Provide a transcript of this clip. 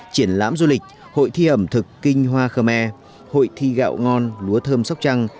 triển lãm du lịch hội thi ẩm thực kinh hoa khơ me hội thi gạo ngon lúa thơm sóc trăng